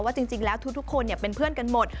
ว่าจริงแล้วทุกคนเนี่ยเป็นเพื่อนกันหมด